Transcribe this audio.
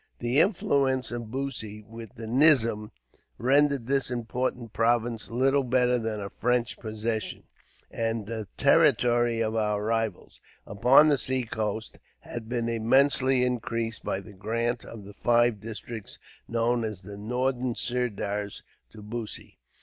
The influence of Bussy, with the nizam, rendered this important province little better than a French possession; and the territory of our rivals, upon the seacoast, had been immensely increased by the grant of the five districts, known as the Northern Sirdars, to Bussy.